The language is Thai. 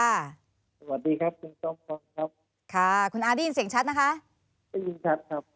สวัสดีครับคุณจอมขวัญครับค่ะคุณอาได้ยินเสียงชัดนะคะได้ยินชัดครับ